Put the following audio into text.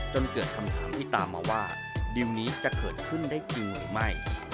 จนเกิดคำถามที่ตามมาว่าดิวนี้จะเกิดขึ้นได้จริงหรือไม่